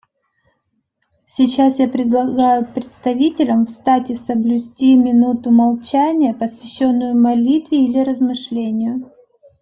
Сейчас я предлагаю представителям встать и соблюсти минуту молчания, посвященную молитве или размышлению.